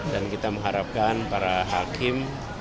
dan kita mengharapkan para hakim